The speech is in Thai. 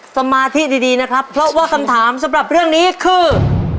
สมาธิดีนะครับเพราะว่าคำถามสำหรับเรื่องนี้คือ